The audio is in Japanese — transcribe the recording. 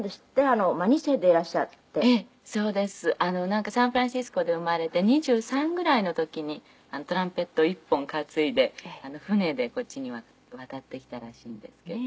なんかサンフランシスコで生まれて２３ぐらいの時にトランペット１本担いで船でこっちに渡ってきたらしいんですけど。